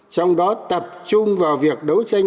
trong đó tập trung vào việc đấu tranh